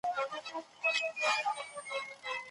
دوی به کولای سو .